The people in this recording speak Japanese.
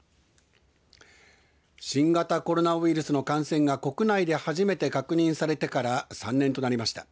新型コロナウイルスの感染が国内で初めて確認されてから３年となりました。